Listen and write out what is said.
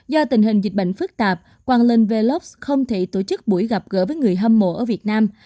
do tình hình dịch bệnh phức tạp hoàng linh về lốc không thể tổ chức buổi gặp gỡ với người hâm mộ ở việt nam